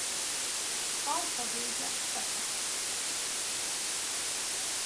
Farka vége fekete.